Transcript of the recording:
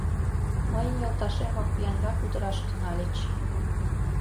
Мыйын йолташем-влак виянрак удыраш тӱҥальыч.